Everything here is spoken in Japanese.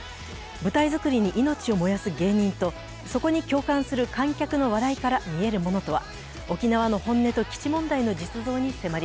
舞台作りに命を燃やす芸人とそこに共感する観客の笑いから見えることとは。